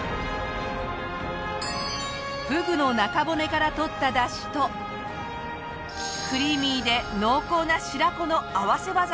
フグの中骨から取っただしとクリーミーで濃厚な白子の合わせ技です。